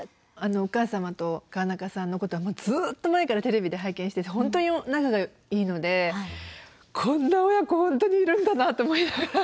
お母様と川中さんのことはずっと前からテレビで拝見してて本当に仲がいいのでこんな親子本当にいるんだなと思いながら。